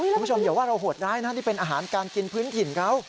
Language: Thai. ทุกชนอย่าว่าเราหดได้นะนี่เป็นอาหารการกินพื้นถิ่นเข้า